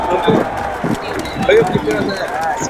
Vijana wanapenda siasa